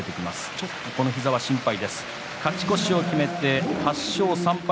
ちょっと足が心配です。